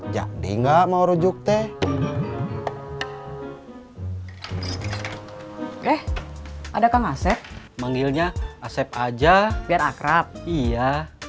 jadi enggak mau rujuk teh eh adakah ngasek manggilnya asep aja biar akrab iya